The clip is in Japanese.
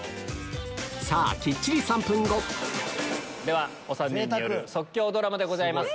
さぁきっちり３分後ではお３人による即興ドラマでございます。